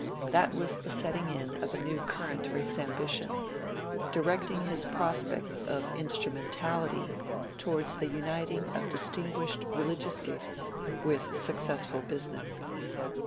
That was the setting in of a new current for his ambition, directing his prospects of "instrumentality" towards the uniting of distinguished religious gifts with successful business.